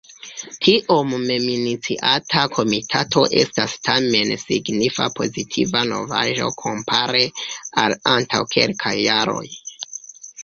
Tiom meminiciata Komitato estas tamen signifa pozitiva novaĵo kompare al antaŭ kelkaj jaroj.